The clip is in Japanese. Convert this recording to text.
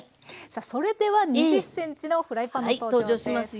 さあそれでは２０ｃｍのフライパンの登場です。